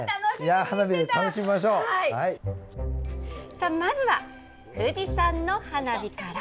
さあ、まずは富士山の花火から。